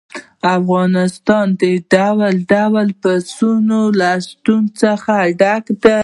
افغانستان د ډول ډول پسونو له شتون څخه ډک دی.